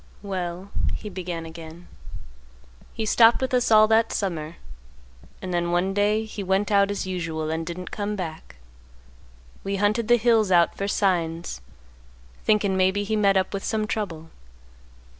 "Well," he began again; "he stopped with us all that summer, and then one day he went out as usual and didn't come back. We hunted the hills out for signs, thinkin' maybe he met up with some trouble.